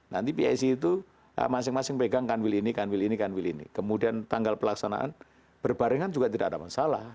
nanti pic itu masing masing pegang kanwil ini kanwil ini kanwil ini kemudian tanggal pelaksanaan berbarengan juga tidak ada masalah